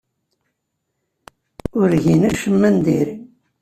Ur gin acemma n diri.